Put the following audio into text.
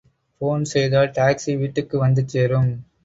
Phone செய்தால் taxi வீட்டுக்கு வந்து சேரும்.